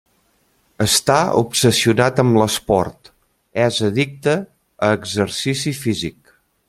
Està obsessionat amb l'esport: és addicte a exercici físic.